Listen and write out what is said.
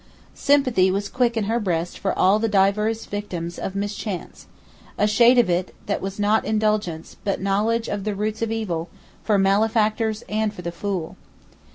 Sympathy was quick in her breast for all the diverse victims of mischance; a shade of it, that was not indulgence, but knowledge of the roots of evil, for malefactors and for the fool.